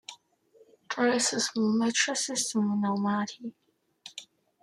There is a small metro system in Almaty.